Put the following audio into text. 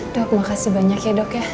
dok makasih banyak ya dok ya